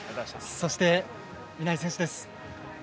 そして、南井選手です。